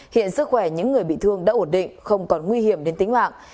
hiện sức khỏe những người bị thương đã ổn định không còn nguy hiểm đến tính mạng